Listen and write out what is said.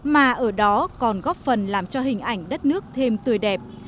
mà ở đó còn góp phần làm cho hình ảnh đất nước thêm tươi đẹp